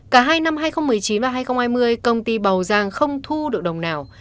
cả hai năm hai nghìn một mươi chín và hai nghìn hai mươi công ty bầu giang không thu được đồng nào